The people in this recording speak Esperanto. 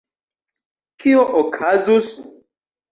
Kio okazus?